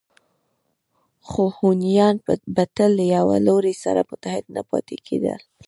خو هونیان به تل له یوه لوري سره متحد نه پاتې کېدل